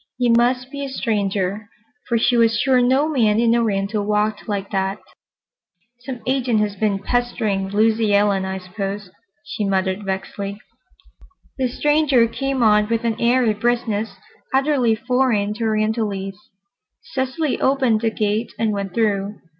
He must be a stranger, for she was sure no man in Oriental walked like that. "Some agent has been pestering Lucy Ellen, I suppose," she muttered vexedly. The stranger came on with an airy briskness utterly foreign to Orientalites. Cecily opened the gate and went through.